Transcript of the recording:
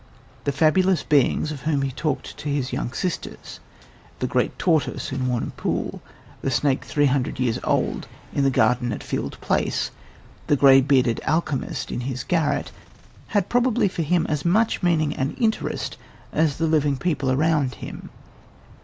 The fabulous beings of whom he talked to his young sisters the Great Tortoise in Warnham Pond, the snake three hundred years old in the garden at Field Place, the grey bearded alchemist in his garret had probably for him as much meaning and interest as the living people around him.